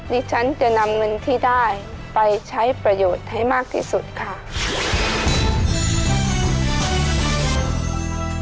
ดิฉันจะนำเงินที่ได้ไปใช้ประโยชน์ให้มากที่สุดค่ะ